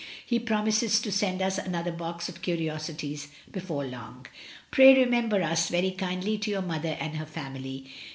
He promises to send us another box of curiosities before long. *'Pray remember us very kindly to your mother and her family.